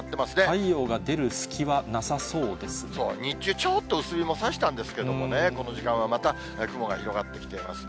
太陽が出る隙はなさそうです日中、ちょっと薄日もさしたんですけれどもね、この時間はまた雲が広がってきています。